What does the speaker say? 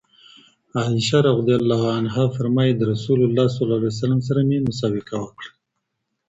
عائشة رضي الله عنها فرمايي: د رسول الله سره مي مسابقه وکړه